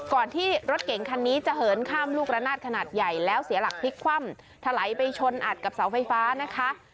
ที่รถเก่งคันนี้จะเหินข้ามลูกระนาดขนาดใหญ่แล้วเสียหลักพลิกคว่ำถลายไปชนอัดกับเสาไฟฟ้านะคะ